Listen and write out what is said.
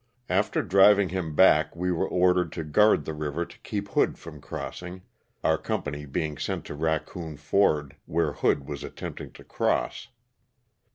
After driving him back we were ordered to guard the river to keep Hood from crossing, our com pany being sent to Raccoon Ford where Hood was attempting to cross.